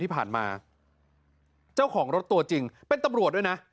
เป็นตัมรวจด้วยนะ